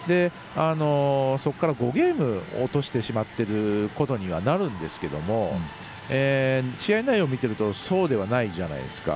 そこから５ゲーム落としてしまっていることにはなるんですけど試合内容を見ているとそうではないじゃないですか。